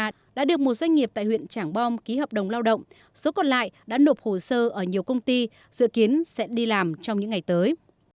công ty đã được một doanh nghiệp tại huyện trảng bom ký hợp đồng lao động số còn lại đã nộp hồ sơ ở nhiều công ty dự kiến sẽ đi làm trong những ngày tới